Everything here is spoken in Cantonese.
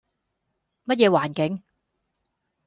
乜嘢環境